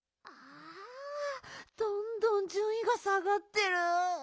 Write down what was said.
どんどんじゅんいが下がってる。